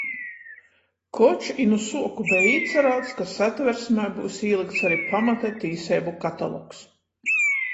Koč i nu suoku beja īcarāts, ka Satversmē byus īlykts ari pamata tīseibu katalogs,